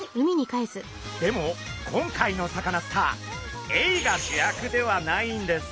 でも今回のサカナスターエイが主役ではないんです。